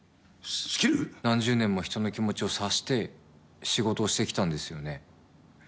何十年も人の気持ちを察して仕事をしてきたんですよね？